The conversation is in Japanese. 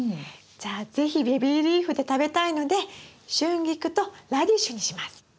じゃあ是非ベビーリーフで食べたいのでシュンギクとラディッシュにします。